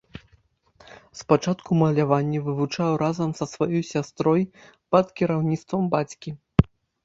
Спачатку маляванне вывучаў разам са сваёй сястрой пад кіраўніцтвам бацькі.